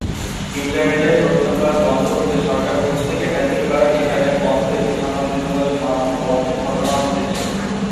ইন্টারনেটে প্রশ্ন ফাঁস বন্ধ করতে সরকার কর্তৃক একাধিকবার ইন্টারনেট বন্ধ এবং সামাজিক যোগাযোগ মাধ্যম বন্ধের ঘটনাও ঘটেছে।